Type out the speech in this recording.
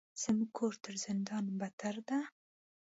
زموږ کور تر زندان بدتر ده.